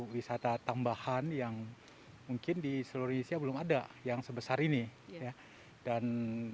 wisata tambahan yang mungkin di seluruh indonesia belum ada yang sebesar ini ya dan